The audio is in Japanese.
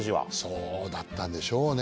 そうだったんでしょうね